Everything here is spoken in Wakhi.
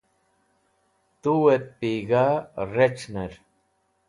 Tuet Pig̃ha rec̃hner